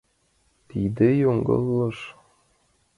Тиде йоҥылыш!